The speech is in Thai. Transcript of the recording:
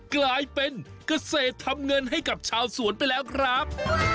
กลายเป็นเกษตรทำเงินให้กับชาวสวนไปแล้วครับ